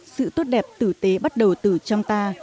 sự tốt đẹp tử tế bắt đầu từ trong ta